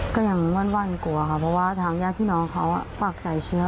ก็ยังวั่นกลัวค่ะเพราะว่าทางญาติพี่น้องเขาปากใจเชื่อ